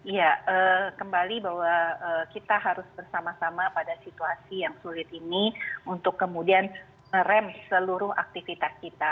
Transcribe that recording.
ya kembali bahwa kita harus bersama sama pada situasi yang sulit ini untuk kemudian rem seluruh aktivitas kita